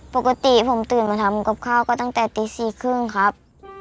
ปกติผมตื่นมาทำกับข้าวก็ตั้งแต่ตี๔๓๐ครับ